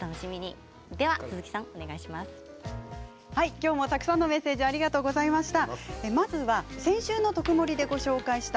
きょうもたくさんのメッセージありがとうございました。